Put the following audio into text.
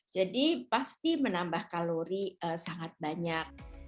jadi pasti menambah kalori sangat banyak